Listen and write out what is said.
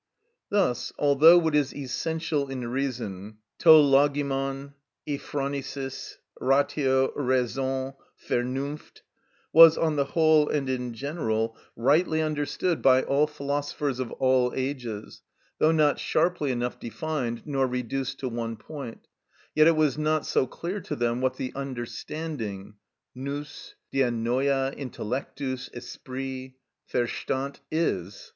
Thus, although what is essential in reason (το λογιμον, ἡ φρονησις, ratio, raison, Vernunft) was, on the whole and in general, rightly understood by all philosophers of all ages, though not sharply enough defined nor reduced to one point, yet it was not so clear to them what the understanding (νους, διανοια, intellectus, esprit, Verstand) is.